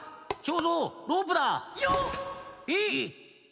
えっ⁉